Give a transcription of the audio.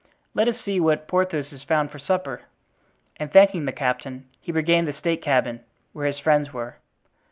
Let us see what Porthos has found for supper." And thanking the captain, he regained the state cabin, where his friends were.